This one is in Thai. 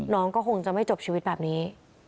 น้องก็คงจะไม่จบชีวิตแบบนี้